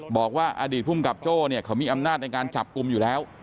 บอกว่าอดีตภูมิกับโจ้เนี่ยเขามีอำนาจในการจับกลุ่มอยู่แล้ว